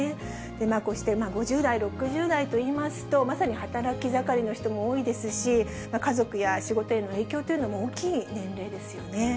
こうして５０代、６０代といいますと、まさに働き盛りの人も多いですし、家族や仕事への影響というのも大きい年齢ですよね。